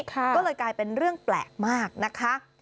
ก็เลยกลายเป็นเรื่องแปลกมากนะคะ